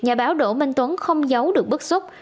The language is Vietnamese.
nhà báo đỗ minh tuấn không giấu được bức xúc